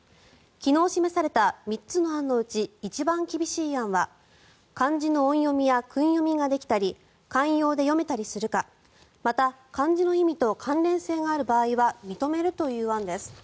昨日示された３つの案のうち一番厳しい案は漢字の音読みや訓読みができたり慣用で読めたりするかまた、漢字の意味と関連性がある場合は認めるという案です。